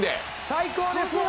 最高ですわ！